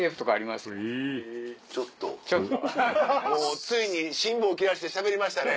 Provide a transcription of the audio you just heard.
ちょっともうついに辛抱切らしてしゃべりましたね。